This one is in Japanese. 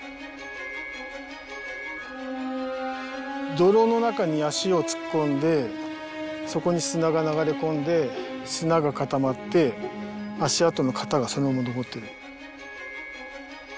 泥の中に足を突っ込んでそこに砂が流れ込んで砂が固まって足跡の型がそのまま残ってる。